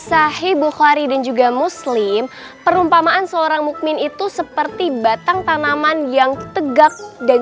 sahi bukhari dan juga muslim perumpamaan seorang mukmin itu seperti batang tanaman yang tegak dan